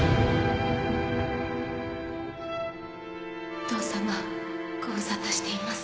お父さまご無沙汰しています